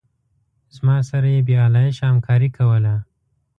زما سره یې بې آلایشه همکاري کوله.